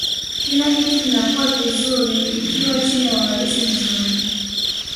kila kitu kinakuwa vizuri kikiwa chini ya uangalizi mzuri